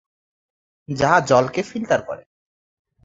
যা জলকে ফিল্টার করে।